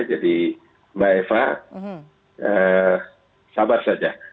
jadi mbak eva sabar saja